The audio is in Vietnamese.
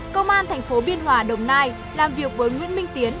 công an tp biên hòa đồng nai làm việc với nguyễn minh tiến